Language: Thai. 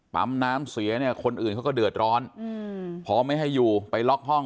ปั๊มน้ำเสียเนี่ยคนอื่นเขาก็เดือดร้อนพอไม่ให้อยู่ไปล็อกห้อง